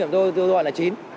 do cái gì